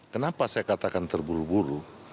kenapa saya katakan terburu buru